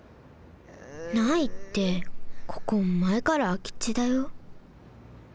ないってここまえからあきちだよ？